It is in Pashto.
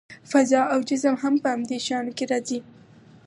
فضا او جسم هم په همدې شیانو کې راځي.